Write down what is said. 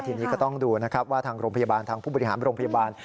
ทีนี้ก็ต้องดูนะครับว่าทางโรงพยาบาลทางผู้บริหารโรงพยาบาล